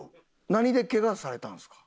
何で怪我されたんですか？